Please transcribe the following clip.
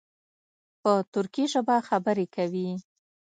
په ترکي ژبه خبرې کوي.